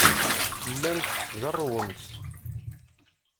Tellamt tzerrwemt.